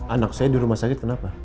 anak saya di rumah sakit kenapa